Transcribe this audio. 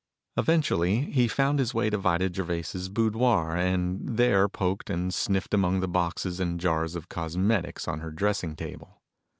Eventually, he found his way to Vida Gervais' boudoir and there poked and sniffed among the boxes and jars of cosmetics on her dressing table.